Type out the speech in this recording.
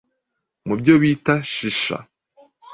mu byo bita Shisha